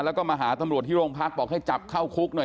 แล้วก็มาหาตำรวจที่โรงพักบอกให้จับเข้าคุกหน่อย